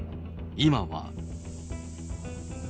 今は。